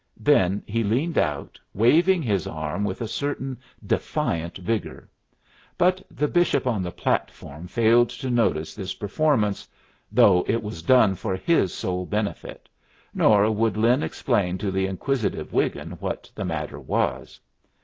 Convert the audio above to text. Then he leaned out, waving his arm with a certain defiant vigor. But the bishop on the platform failed to notice this performance, though it was done for his sole benefit, nor would Lin explain to the inquisitive Wiggin what the matter was.